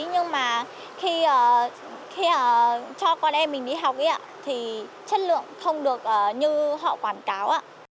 nhưng mà khi cho con em mình đi học thì chất lượng không được như họ quảng cáo ạ